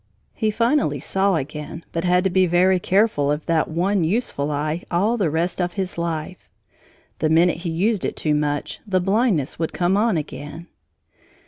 He finally saw again but had to be very careful of that one useful eye all the rest of his life. The minute he used it too much, the blindness would come on again.